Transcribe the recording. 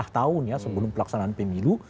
lima tahun ya sebelum pelaksanaan pemilu